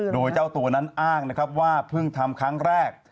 โดยเจ้าตัวนั้นอ้างนะครับว่าเพิ่งทำครั้งแรก